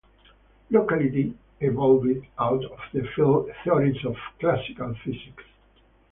Locality evolved out of the field theories of classical physics.